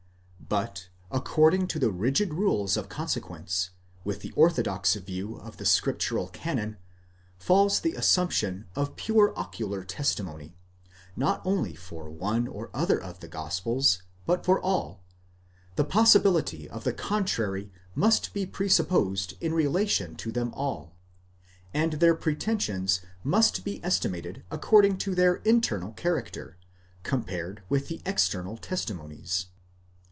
But, according to the rigid rules of consequence, with the orthodox view of the scriptural canon, falls the assumption of pure ocular testimony, not only for one or other of the gospels, but for all; the possibility of the contrary must be presupposed in relation to them all, and their pretensions must be esti mated according to their internal character, compared with the external testi monies.